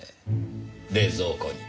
冷蔵庫に。